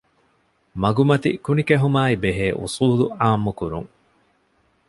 މަގުމަތި ކުނިކެހުމާއި ބެހޭ އުޞޫލު ޢާއްމުކުރުން.